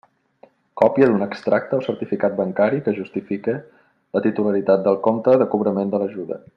Còpia d'un extracte o certificat bancari que justifique la titularitat del compte de cobrament de l'ajuda.